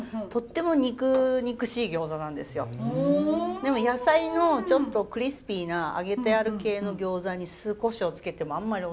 でも野菜のちょっとクリスピーな揚げてある系の餃子に酢こしょうつけてもあんまりおいしくないです。